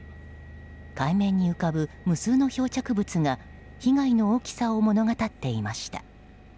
海面に浮かぶ複数の漂着物が被害の大きさを物語っていました。